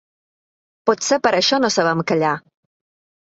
Potser per això no sabem callar.